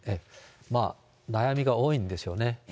悩みが多いんでしょうね。